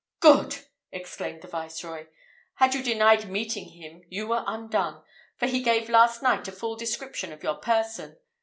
"Good!" exclaimed the Viceroy. "Had you denied meeting him you were undone, for he gave last night a full description of your person.